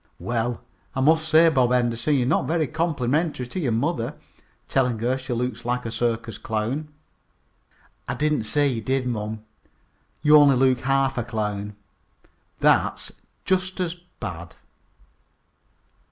"Well, I must say, Bob Henderson, you're not very complimentary to your mother, telling her she looks like a circus clown." "I didn't say you did, mom. You only look like half a clown." "That's just as bad."